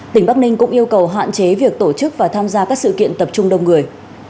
tỉnh bắc ninh cũng yêu cầu hạn chế việc tổ chức và tham gia các sự kiện tập trung đông người